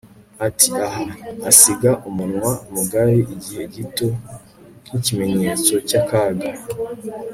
ati 'ah,' asiga umunwa mugari igihe gito nk'ikimenyetso cy'akaga